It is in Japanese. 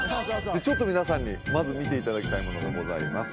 ちょっと皆さんにまず見ていただきたいものがございます